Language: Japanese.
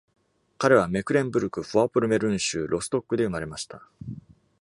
彼はメクレンブルク＝フォアポンメルン州ロストックで生まれました。